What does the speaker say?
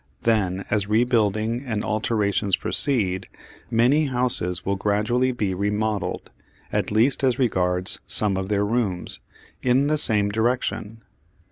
Then, as rebuilding and alterations proceed, many houses will gradually be remodelled at least as regards some of their rooms in the same direction.